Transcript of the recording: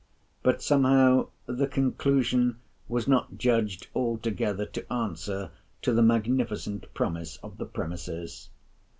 But somehow the conclusion was not judged altogether to answer to the magnificent promise of the premises.